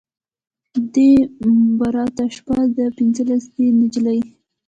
د براته شپه ده پنځلسی دی نجلۍ